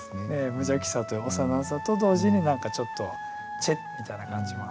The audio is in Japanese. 無邪気さと幼さと同時に何かちょっと「ちぇっ」みたいな感じもあって。